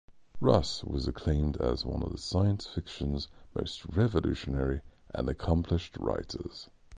Russ was acclaimed as one of science fiction's most revolutionary and accomplished writers.